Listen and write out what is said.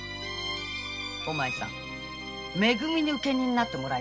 お前さん「め組」に請人になってもらいなよ。